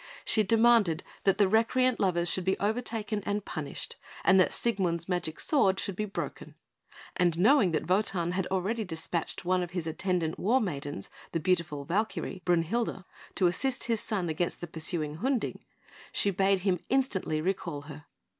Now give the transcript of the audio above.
She demanded that the recreant lovers should be overtaken and punished, and that Siegmund's magic sword should be broken; and knowing that Wotan had already despatched one of his attendant war maidens, the beautiful Valkyrie, Brünhilde, to assist his son against the pursuing Hunding, she bade him instantly recall her.